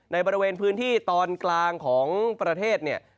ในบริเวณพื้นที่ตอนกลางของประเทศเนี่ย